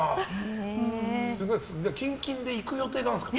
近々で行く予定があるんですか？